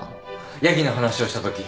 ヤギの話をしたとき。